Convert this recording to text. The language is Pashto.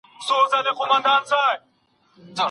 تاسو ولي مدیتیشن نه کوئ.